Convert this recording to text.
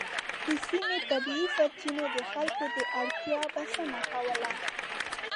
د سیمې طبیعي سرچینو د خلکو د اړتیا بسنه کوله.